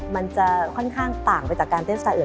มันจะค่อนข้างต่างไปจากการเต้นสไตลอื่น